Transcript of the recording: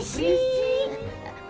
shhh jangan berisik